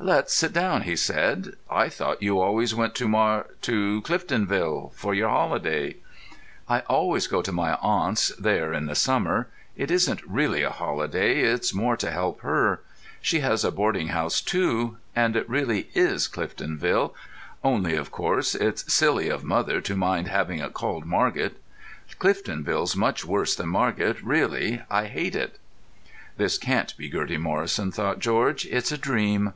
"Let's sit down," he said. "I thought you always went to Mar—to Cliftonville for your holiday?" "I always go to my aunt's there in the summer. It isn't really a holiday; it's more to help her; she has a boarding house too. And it really is Cliftonville—only, of course, it's silly of mother to mind having it called Margate. Cliftonville's much worse than Margate really. I hate it." (This can't be Gertie Morrison, thought George. It's a dream.)